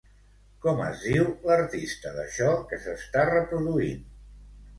Com es diu l'artista d'això que s'està reproduint?